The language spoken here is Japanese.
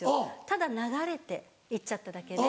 ただ流れて行っちゃっただけで。